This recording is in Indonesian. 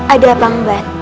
ada apa mbak